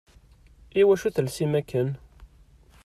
Iwacu telsim akken?